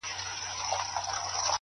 • چي وو به نرم د مور تر غېږي ,